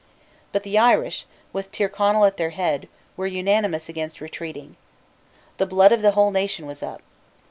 But the Irish, with Tyrconnel at their head, were unanimous against retreating. The blood of the whole nation was up.